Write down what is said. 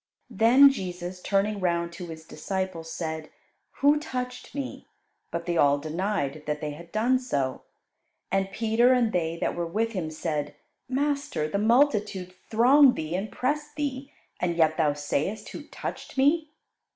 Then Jesus, turning round to His disciples, said, "Who touched Me?" But they all denied that they had done so, and Peter and they that were with him said, "Master, the multitude throng Thee and press Thee, and yet Thou sayest, Who touched Me!"